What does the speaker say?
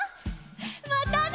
またね！